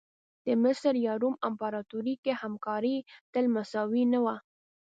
د مصر یا روم امپراتوري کې همکاري تل مساوي نه وه.